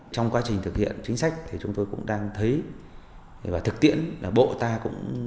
trong quá trình thực hiện chính sách thì chúng tôi cũng đang thấy và thực tiễn là bộ ta cũng